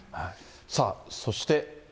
さあ、そして。